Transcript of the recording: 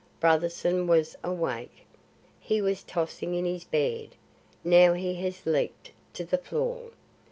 Brotherson was awake. He was tossing in his bed. Now he has leaped to the floor.